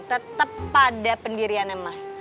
tetap pada pendiriannya mas